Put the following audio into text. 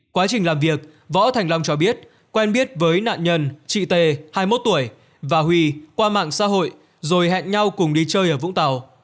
quá trình làm việc võ thành long cho biết quen biết với nạn nhân chị t hai mươi một tuổi và huy qua mạng xã hội rồi hẹn nhau cùng đi chơi ở vũng tàu